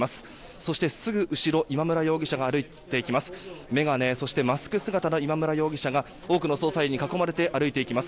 そして、すぐ後ろ今村容疑者が歩いていきます。